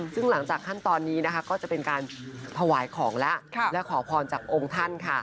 ซึ่งหลังจากขั้นตอนนี้นะครับเป็นการไพรของและขอผ่อนจากองค์ท่านค่ะ